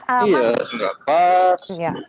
iya tidak pas